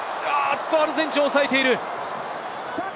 アルゼンチンを抑えている。